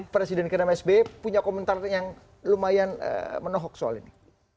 presiden kmhbi punya komentar yang lumayan menohok soal ini